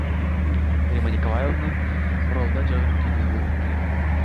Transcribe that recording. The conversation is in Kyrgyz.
Римма Николаевна Уралда жарык дүйнөгө келген.